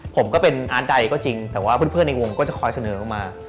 ผมก็เป็นอาร์ตใดก็จริงแต่ว่าเพื่อนในวงก็จะคอยเสนอออกมา